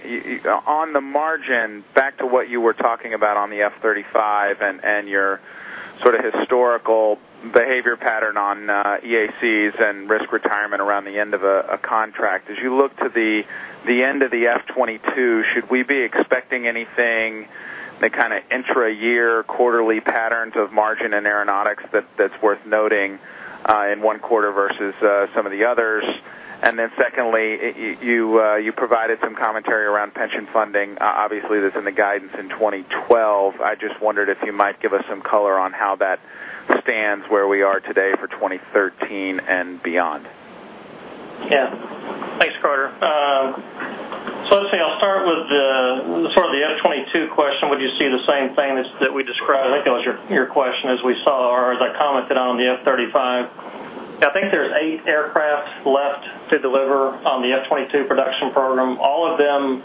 On the margin, back to what you were talking about on the F-35 and your sort of historical behavior pattern on EACs and risk retirement around the end of a contract, as you look to the end of the F-22, should we be expecting anything in the kind of intra-year quarterly patterns of margin in aeronautics that's worth noting in one quarter versus some of the others? Secondly, you provided some commentary around pension funding, obviously, that's in the guidance in 2012. I just wondered if you might give us some color on how that stands where we are today for 2013 and beyond. Yeah, thanks, Carter. Let's see, I'll start with the F-22 question. Would you see the same thing that we described? I think that was your question, as we saw or as I commented on the F-35. I think there's eight aircraft left to deliver on the F-22 production program. All of them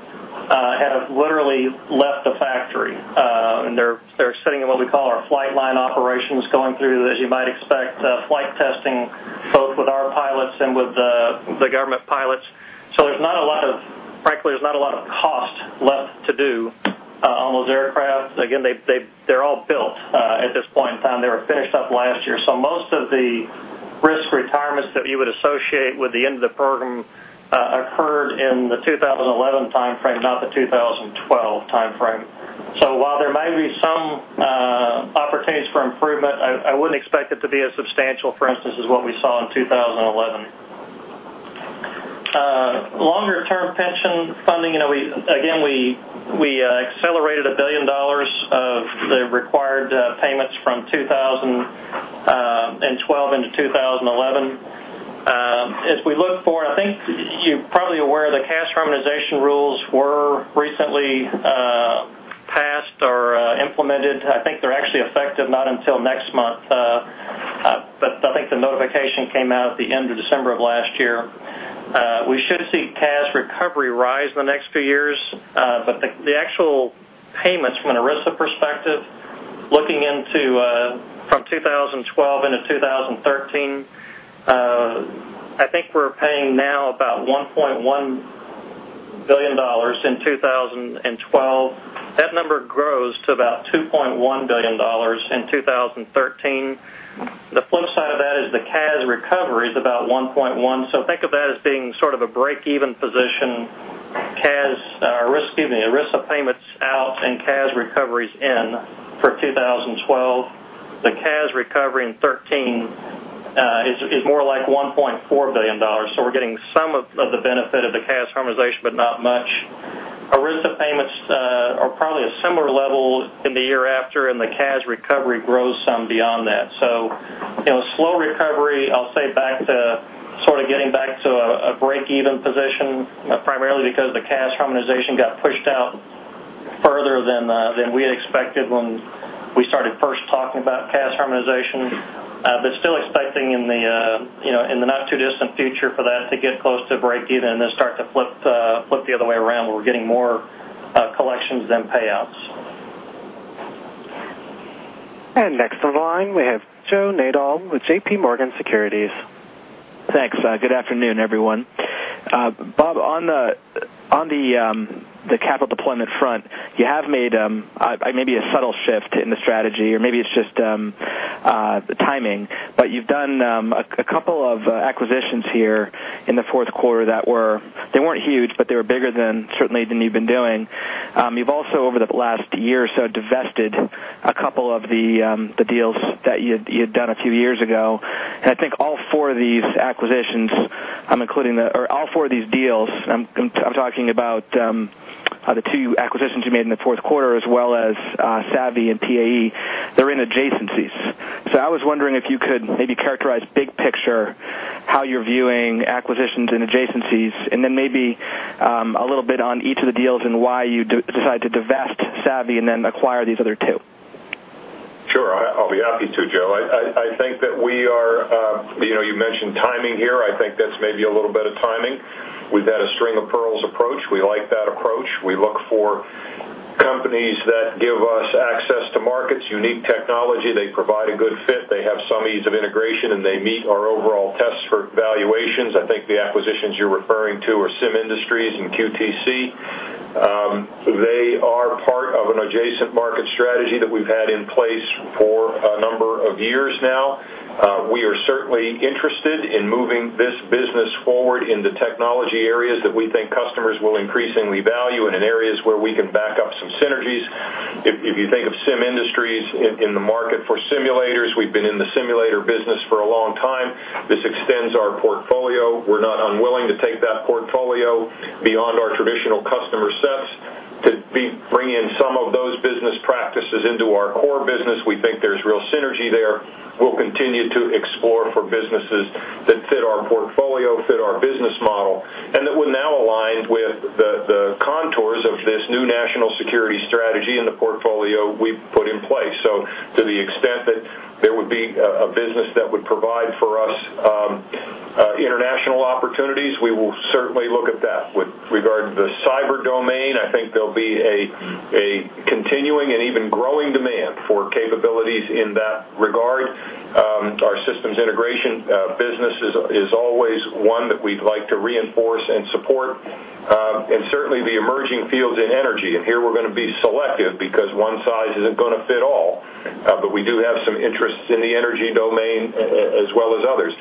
have literally left the factory, and they're sitting in what we call our flight line operations, going through, as you might expect, flight testing, both with our pilots and with the government pilots. There's not a lot of, frankly, there's not a lot of cost left to do on those aircraft. Again, they're all built at this point in time. They were finished up last year. Most of the risk retirements that you would associate with the end of the program occurred in the 2011 timeframe, not the 2012 timeframe. While there may be some opportunities for improvement, I wouldn't expect it to be as substantial, for instance, as what we saw in 2011. Longer-term pension funding, you know, we accelerated $1 billion of the required payments from 2012 into 2011. As we look for, I think you're probably aware, the cash harmonization rules were recently passed or implemented. I think they're actually effective not until next month, but I think the notification came out at the end of December of last year. We should see cash recovery rise in the next few years, but the actual payments from an ERISA perspective, looking from 2012 into 2013, I think we're paying now about $1.1 billion in 2012. That number grows to about $2.1 billion in 2013. The flip side of that is the cash recovery is about $1.1 billion. Think of that as being sort of a break-even position. ERISA payments out and cash recoveries in for 2012. The cash recovery in 2013 is more like $1.4 billion. We're getting some of the benefit of the cash harmonization, but not much. ERISA payments are probably a similar level in the year after, and the cash recovery grows some beyond that. Slow recovery, I'll say back to sort of getting back to a break-even position, primarily because the cash harmonization got pushed out further than we had expected when we started first talking about cash harmonization, but still expecting in the not-too-distant future for that to get close to break-even and then start to flip the other way around where we're getting more collections than payouts. Next on the line, we have Joe Nadol with JPMorgan. Thanks. Good afternoon, everyone. Bob, on the capital deployment front, you have made maybe a subtle shift in the strategy, or maybe it's just the timing, but you've done a couple of acquisitions here in the fourth quarter that were, they weren't huge, but they were bigger certainly than you've been doing. You've also, over the last year or so, divested a couple of the deals that you had done a few years ago. I think all four of these acquisitions, I'm including the, or all four of these deals, I'm talking about the two acquisitions you made in the fourth quarter, as well as Savvy and PAE. They're in adjacencies. I was wondering if you could maybe characterize big picture how you're viewing acquisitions in adjacencies and then maybe a little bit on each of the deals and why you decided to divest Savvy and then acquire these other two. Sure, I'll be happy to, Joe. I think that we are, you know, you mentioned timing here. I think that's maybe a little bit of timing. We've had a string of pearls approach. We like that approach. We look for companies that give us access to markets, unique technology. They provide a good fit. They have some ease of integration, and they meet our overall tests for valuations. I think the acquisitions you're referring to are SIM Industries and QTC. They are part of an adjacent market strategy that we've had in place for a number of years now. We are certainly interested in moving this business forward into technology areas that we think customers will increasingly value and in areas where we can back up some synergies. If you think of SIM Industries in the market for simulators, we've been in the simulator business for a long time. This extends our portfolio. We're not unwilling to take that portfolio beyond our traditional customer sets to bring in some of those business practices into our core business. We think there's real synergy there. We'll continue to explore for businesses that fit our portfolio, fit our business model, and that will now align with the contours of this new national security strategy in the portfolio we put in place. To the extent that there would be a business that would provide for us international opportunities, we will certainly look at that. With regard to the cyber domain, I think there'll be a continuing and even growing demand for capabilities in that regard. Our systems integration business is always one that we'd like to reinforce and support. Certainly, the emerging fields in energy, and here we're going to be selective because one size isn't going to fit all, but we do have some interests in the energy domain as well as others.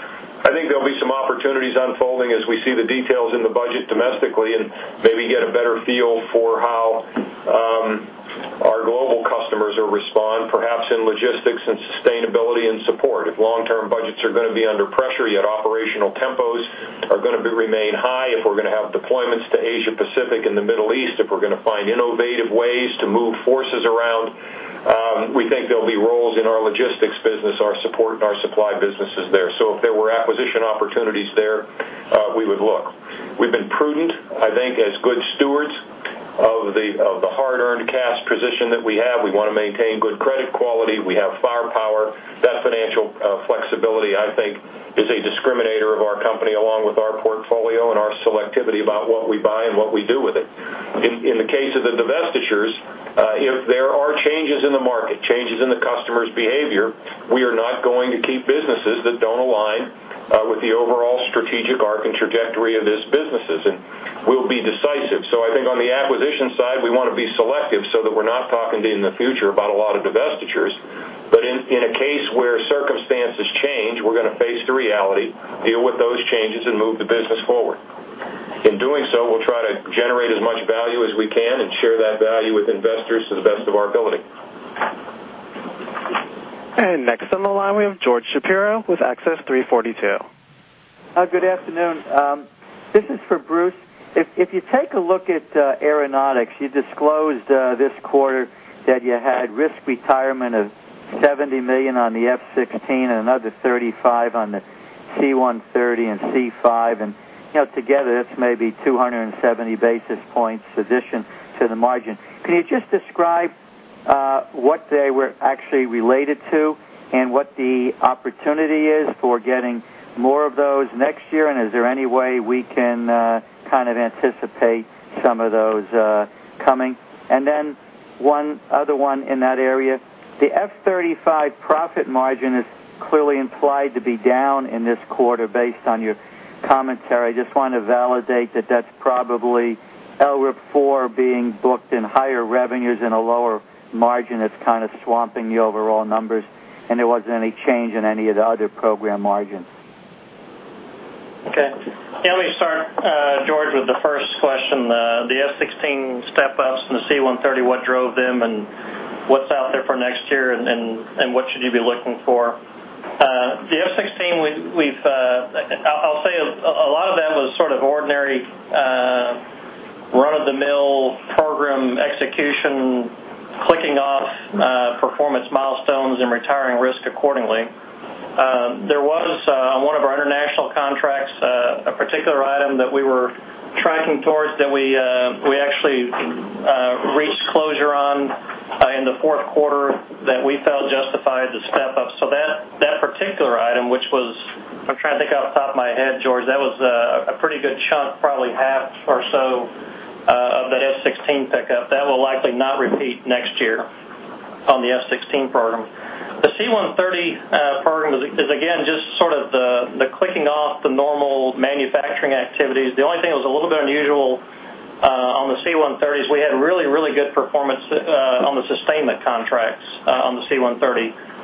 I think there'll be some opportunities unfolding as we see the details in the budget domestically and maybe get a better feel for how our global customers respond, perhaps in logistics and sustainability and support. If long-term budgets are going to be under pressure, yet operational tempos are going to remain high, if we're going to have deployments to Asia-Pacific and the Middle East, if we're going to find innovative ways to move forces around, we think there'll be roles in our logistics business, our support, and our supply businesses there. If there were acquisition opportunities there, we would look. We've been prudent, I think, as good stewards of the hard-earned cash position that we have. We want to maintain good credit quality. We have firepower. That financial flexibility, I think, is a discriminator of our company along with our portfolio and our selectivity about what we buy and what we do with it. In the case of the divestitures, if there are changes in the market, changes in the customer's behavior, we are not going to keep businesses that don't align with the overall strategic arc and trajectory of these businesses and will be decisive. I think on the acquisition side, we want to be selective so that we're not talking in the future about a lot of divestitures. In a case where circumstances change, we're going to face the reality, deal with those changes, and move the business forward. In doing so, we'll try to generate as much value as we can and share that value with investors to the best of our ability. Next on the line, we have George Shapiro with Access 3:42. Good afternoon. This is for Bruce. If you take a look at Aeronautics, you disclosed this quarter that you had risk retirement of $70 million on the F-16 and another $35 million on the C-130 and C-5. You know, together, that's maybe 270 basis points in addition to the margin. Can you just describe what they were actually related to and what the opportunity is for getting more of those next year? Is there any way we can kind of anticipate some of those coming? One other one in that area. The F-35 profit margin is clearly implied to be down in this quarter based on your commentary. I just want to validate that that's probably LRIP-4 being booked in higher revenues and a lower margin that's kind of swamping the overall numbers, and there wasn't any change in any of the other program margins. Okay. Let me start, George, with the first question. The F-16 step-ups and the C-130, what drove them and what's out there for next year and what should you be looking for? The F-16, we've, I'll say, a lot of that was sort of ordinary run-of-the-mill program execution, clicking off performance milestones and retiring risk accordingly. There was, on one of our international contracts, a particular item that we were tracking towards that we actually reached closure on in the fourth quarter that we felt justified the step-ups. That particular item, which was, I'm trying to think off the top of my head, George, that was a pretty good chunk, probably half or so of that F-16 pickup that will likely not repeat next year on the F-16 program. The C-130 program is, again, just sort of the clicking off the normal manufacturing activities. The only thing that was a little bit unusual on the C-130 is we had really, really good performance on the sustainment contracts on the C-130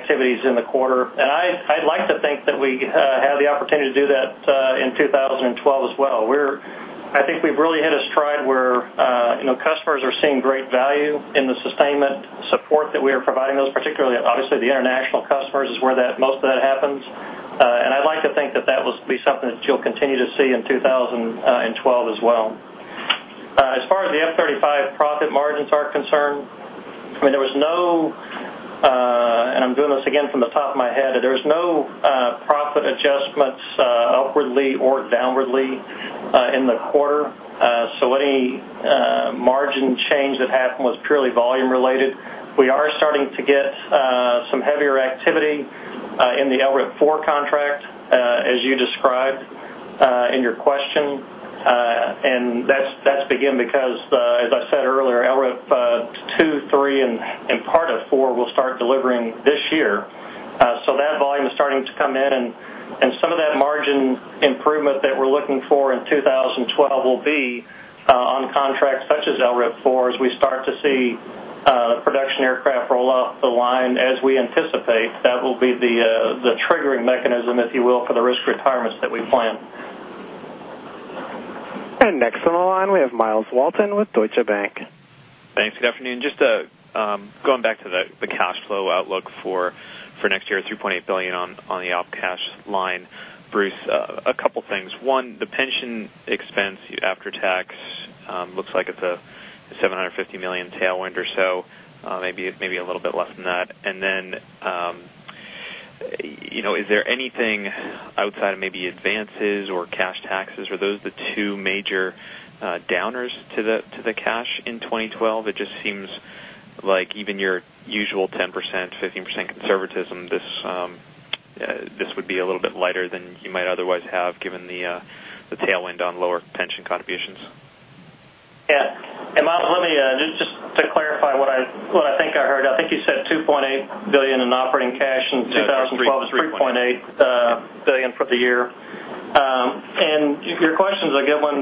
activities in the quarter. I'd like to think that we had the opportunity to do that in 2012 as well. I think we've really hit a stride where, you know, customers are seeing great value in the sustainment support that we are providing those, particularly, obviously, the international customers is where most of that happens. I'd like to think that that will be something that you'll continue to see in 2012 as well. As far as the F-35 profit margins are concerned, I mean, there was no, and I'm doing this again from the top of my head, there was no profit adjustments upwardly or downwardly in the quarter. Any margin change that happened was purely volume-related. We are starting to get some heavier activity in the LRIP-4 contract, as you described in your question. That's, again, because, as I said earlier, LRIP-2, 3, and in part of 4 will start delivering this year. That volume is starting to come in, and some of that margin improvement that we're looking for in 2012 will be on contracts such as LRIP-4. As we start to see production aircraft roll off the line, as we anticipate, that will be the triggering mechanism, if you will, for the risk retirements that we plan. Next on the line, we have Myles Walton with Deutsche Bank. Thanks. Good afternoon. Just going back to the cash flow outlook for next year, $3.8 billion on the out cash line. Bruce, a couple of things. One, the pension expense after tax looks like it's a $750 million tailwind or so, maybe a little bit less than that. Is there anything outside of maybe advances or cash taxes? Are those the two major downers to the cash in 2012? It just seems like even your usual 10%, 15% conservatism, this would be a little bit lighter than you might otherwise have given the tailwind on lower pension contributions. Yeah. Miles, let me just clarify what I think I heard. I think you said $2.8 billion in operating cash in 2012 is $3.8 billion for the year. Your question is a good one.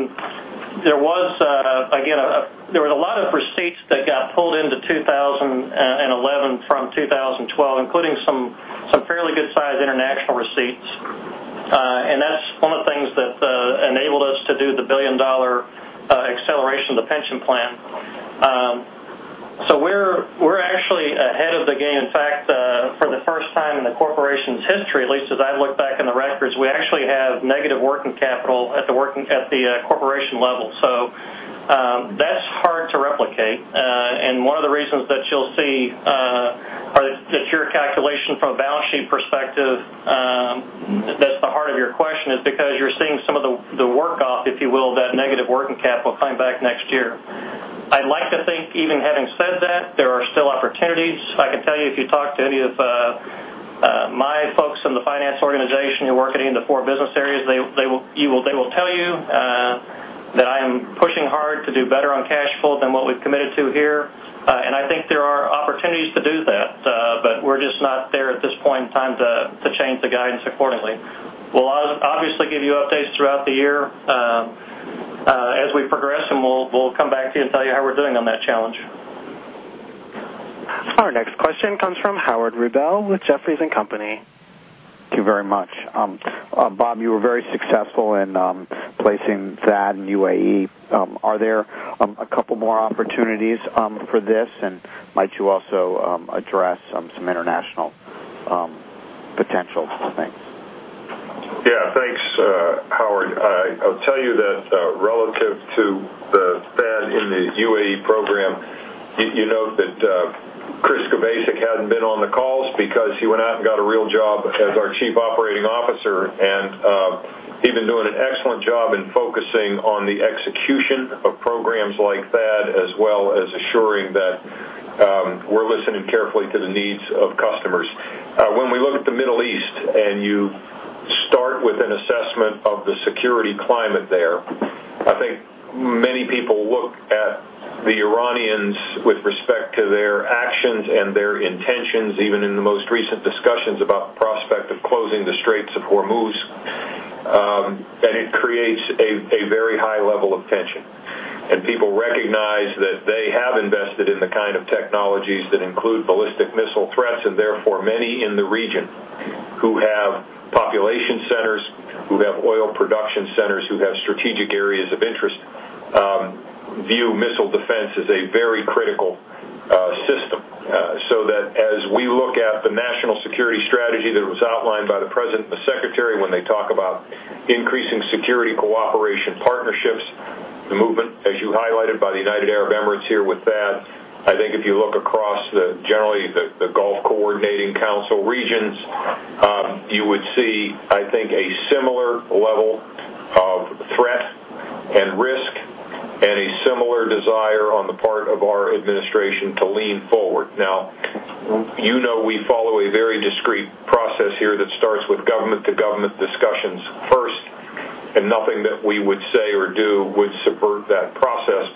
There was a lot of receipts that got pulled into 2011 from 2012, including some fairly good-sized international receipts. That is one of the things that enabled us to do the billion-dollar acceleration of the pension plan. We are actually ahead of the game. In fact, for the first time in the corporation's history, at least as I have looked back in the records, we actually have negative working capital at the corporation level. That is hard to replicate. One of the reasons that you will see that your calculation from a balance sheet perspective, that is the heart of your question, is because you are seeing some of the work-off, if you will, of that negative working capital come back next year. I would like to think, even having said that, there are still opportunities. I can tell you, if you talk to any of my folks in the finance organization who work in any of the four business areas, they will tell you that I am pushing hard to do better on cash flow than what we have committed to here. I think there are opportunities to do that, but we are just not there at this point in time to change the guidance accordingly. We will obviously give you updates throughout the year as we progress, and we will come back to you and tell you how we are doing on that challenge. Our next question comes from Howard Rubel with Jefferies and Company. Thank you very much. Bob, you were very successful in placing that in UAE. Are there a couple more opportunities for this, and might you also address some international potential things? Yeah, thanks, Howard. I'll tell you that relative to the F-35 in the UAE program, you note that Chris Kubasik hadn't been on the calls because he went out and got a real job as our Chief Operating Officer and he's been doing an excellent job in focusing on the execution of programs like that, as well as assuring that we're listening carefully to the needs of customers. When we look at the Middle East and you start with an assessment of the security climate there, I think many people look at the Iranians with respect to their actions and their intentions, even in the most recent discussions about the prospect of closing the Straits of Hormuz, that it creates a very high level of tension. People recognize that they have invested in the kind of technologies that include ballistic missile threats, and therefore many in the region who have population centers, who have oil production centers, who have strategic areas of interest view missile defense as a very critical system. As we look at the national security strategy that was outlined by the President and the Secretary when they talk about increasing security cooperation partnerships, the movement, as you highlighted by the United Arab Emirates here with that, I think if you look across generally the Gulf Coordinating Council regions, you would see, I think, a similar level of threat and risk and a similar desire on the part of our administration to lean forward. You know we follow a very discrete process here that starts with government-to-government discussions first, and nothing that we would say or do would subvert that process.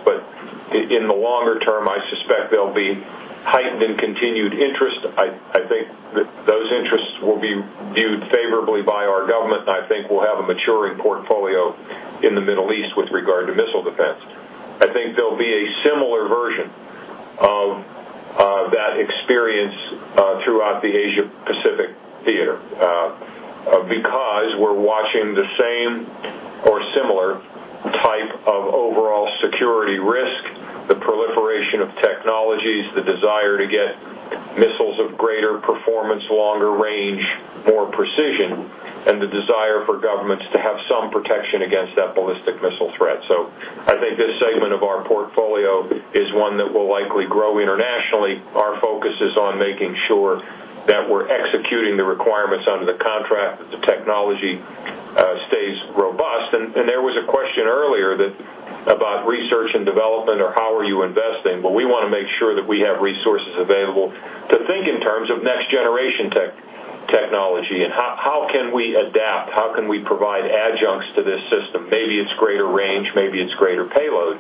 In the longer term, I suspect there'll be heightened and continued interest. I think that those interests will be viewed favorably by our government, and I think we'll have a maturing portfolio in the Middle East with regard to missile defense. I think there'll be a similar version of that experience throughout the Asia-Pacific theater because we're watching the same or similar type of overall security risk, the proliferation of technologies, the desire to get missiles of greater performance, longer range, more precision, and the desire for governments to have some protection against that ballistic missile threat. I think this segment of our portfolio is one that will likely grow internationally. Our focus is on making sure that we're executing the requirements under the contract, that the technology stays robust. There was a question earlier about research and development or how are you investing? We want to make sure that we have resources available to think in terms of next-generation technology and how can we adapt, how can we provide adjuncts to this system. Maybe it's greater range, maybe it's greater payload,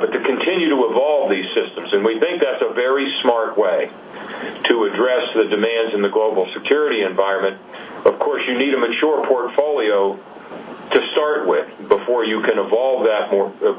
but to continue to evolve these systems. We think that's a very smart way to address the demands in the global security environment. Of course, you need a mature portfolio to start with before you can evolve that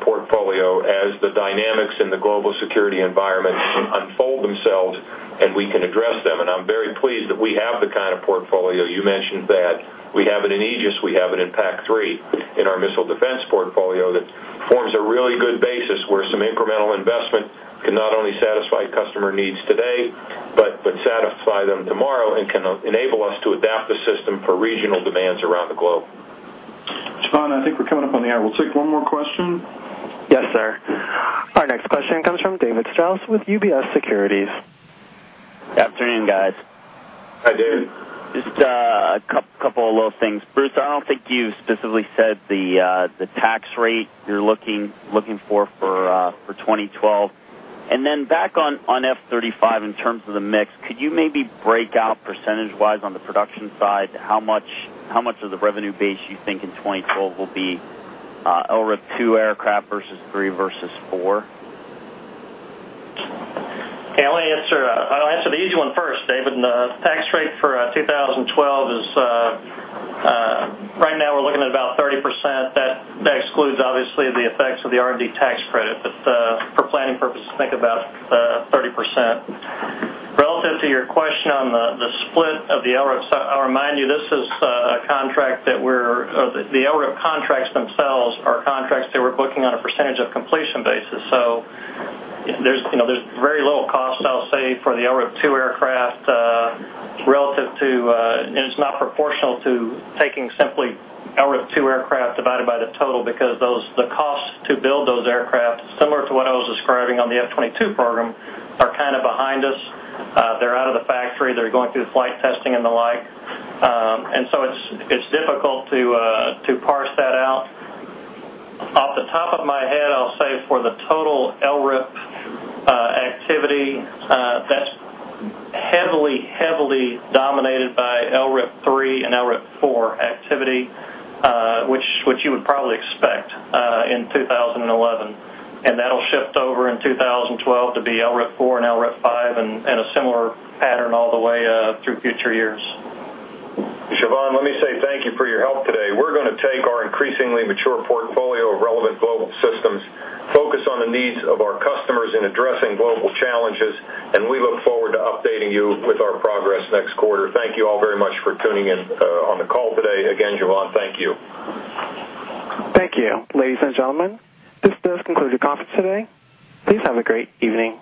portfolio as the dynamics in the global security environment unfold themselves and we can address them. I'm very pleased that we have the kind of portfolio you mentioned, that we have it in Aegis, we have it in PAC-3 in our missile defense portfolio that forms a really good basis where some incremental investment can not only satisfy customer needs today, but satisfy them tomorrow and can enable us to adapt the system for regional demands around the globe. I think we're coming up on the hour. We'll take one more question. Yes, sir. Our next question comes from David Strauss with UBS. Good afternoon, guys. Hi, David. Just a couple of little things. Bruce, I don't think you specifically said the tax rate you're looking for for 2012. Back on F-35 in terms of the mix, could you maybe break out percentage‑wise on the production side how much of the revenue base you think in 2012 will be LRIP-2 aircraft versus 3 versus 4? Okay, I'll answer the easy one first, David. The tax rate for 2012 is right now we're looking at about 30%. That excludes, obviously, the effects of the R&D tax credit, but for planning purposes, think about 30%. Relative to your question on the split of the LRIPs, I'll remind you this is a contract that we're, the LRIP contracts themselves are contracts that we're booking on a percentage of completion basis. There's very little cost, I'll say, for the LRIP-2 aircraft relative to, and it's not proportional to taking simply LRIP-2 aircraft divided by the total because the cost to build those aircraft, similar to what I was describing on the F-22 program, are kind of behind us. They're out of the factory. They're going through flight testing and the like. It's difficult to parse that out. Off the top of my head, I'll say for the total LRIP activity, that's heavily, heavily dominated by LRIP-3 and LRIP-4 activity, which you would probably expect in 2011. That'll shift over in 2012 to be LRIP-4 and LRIP-5 and a similar pattern all the way through future years. Shaban, let me say thank you for your help today. We're going to take our increasingly mature portfolio of relevant global systems, focus on the needs of our customers in addressing global challenges, and we look forward to updating you with our progress next quarter. Thank you all very much for tuning in on the call today. Again, Shaban, thank you. Thank you, ladies and gentlemen. This does conclude your conference today. Please have a great evening.